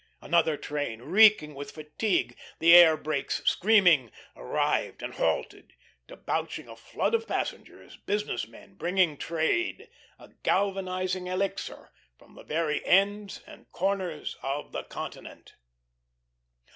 Another train, reeking with fatigue, the air brakes screaming, arrived and halted, debouching a flood of passengers, business men, bringing Trade a galvanising elixir from the very ends and corners of the continent.